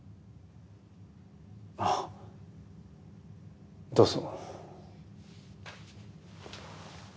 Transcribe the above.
あぁどうぞ。